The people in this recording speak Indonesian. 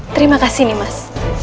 terima kasih nimas